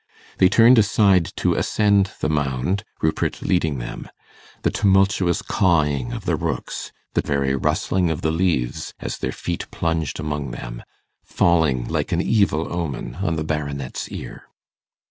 They turned aside to ascend the mound, Rupert leading them; the tumultuous cawing of the rooks, the very rustling of the leaves, as their feet plunged among them, falling like an evil omen on the Baronet's ear.